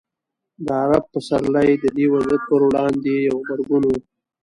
د عرب پسرلی د دې وضعیت پر وړاندې یو غبرګون و.